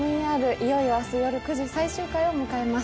いよいよ明日９時、最終回を迎えます。